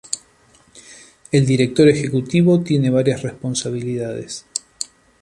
El director ejecutivo tiene varias responsabilidades.